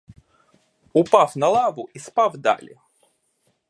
Упав на лаву і спав далі.